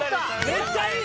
めっちゃいい！